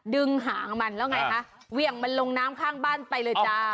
หางมันแล้วไงคะเวี่ยงมันลงน้ำข้างบ้านไปเลยจ้า